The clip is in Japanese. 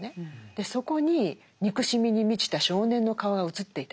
でそこに憎しみに満ちた少年の顔が映っていたと。